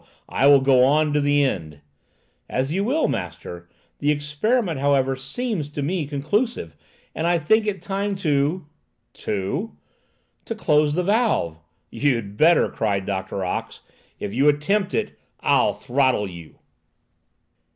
I will go on to the end!" "As you will, master; the experiment, however, seems to me conclusive, and I think it time to—" "To—" "To close the valve." "You'd better!" cried Doctor Ox. "If you attempt it, I'll throttle you!"